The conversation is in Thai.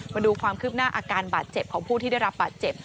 มาดูความคืบหน้าอาการบาดเจ็บของผู้ที่ได้รับบาดเจ็บ